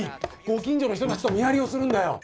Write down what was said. ご近所の人たちと見張りをするんだよ。